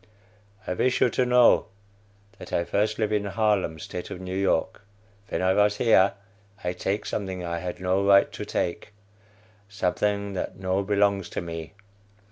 I wish you to know that I first live in Harlem, State of New York. Ven I vos here, I take something I had no right to take, something that no belongs to me.